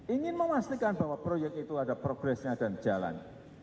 ingin memastikan bahwa proyek itu ada progresnya dan jalan